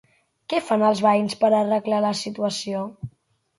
Què fan els veïns per arreglar la situació?